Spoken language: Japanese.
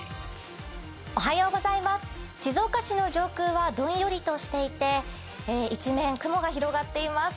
静岡市の上空はどんよりとしていて一面雲が広がっています。